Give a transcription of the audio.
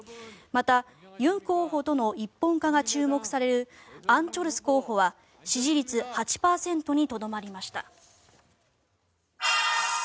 また、ユン候補との一本化が注目されるアン・チョルス候補は支持率８％にとどまりました。